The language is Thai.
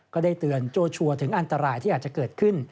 ก็ได้เตือนโจชัวร์ถึงอันตรายที่อาจจะเกิดขึ้น